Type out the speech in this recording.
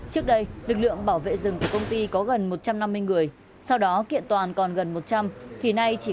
trước đây lực lượng bảo vệ rừng của công ty có gần một trăm năm mươi người sau đó kiện toàn còn gần một trăm linh thì nay chỉ